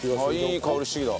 いい香りしてきた。